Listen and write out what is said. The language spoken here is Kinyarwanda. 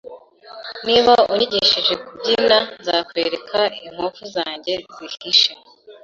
Niba unyigishije kubyina, nzakwereka inkovu zanjye zihishe.